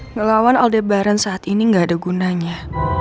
ngelawan aldebaran saat ini nggak ada gunanya